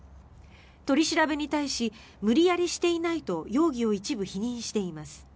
取り調べに対し無理やりしていないと容疑を一部否認しています。